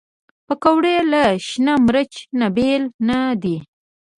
پکورې له شنه مرچ نه بېل نه دي